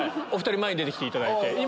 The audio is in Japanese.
お２人前に出て来ていただいて。